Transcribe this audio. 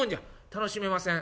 「楽しめません。